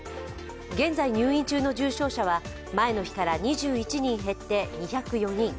現在、入院中の重症者は前の日から２１人減って２０４人。